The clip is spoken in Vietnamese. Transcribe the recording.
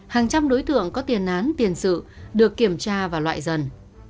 hàng trăm đối tượng có tiền án tiền sự được kiểm tra và loại dần